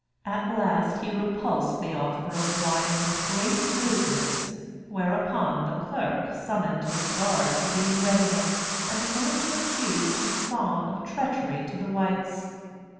At last he repulsed the offer of wine with great rudeness, whereupon Le Clerc summoned his guard to be in readiness, and began to accuse Toussaint of treachery to the whites.